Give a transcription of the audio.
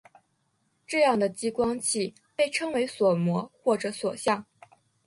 这样的激光器被称为锁模或者锁相。